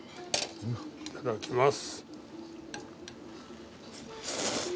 いただきます。